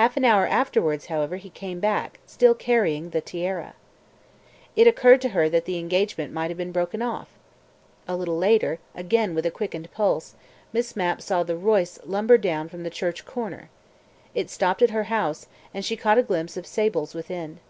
Half an hour afterwards, however, he came back, still carrying the tiara. It occurred to her that the engagement might have been broken off. ... A little later, again with a quickened pulse, Miss Mapp saw the Royce lumber down from the church corner. It stopped at her house, and she caught a glimpse of sables within.